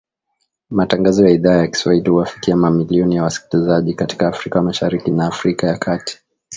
Matangazo ya Idhaa ya Kiswahili huwafikia mamilioni ya wasikilizaji katika Afrika Mashariki na Afrika ya Kati